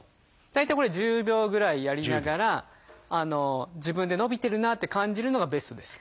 大体これ１０秒ぐらいやりながら自分で伸びてるなあって感じるのがベストです。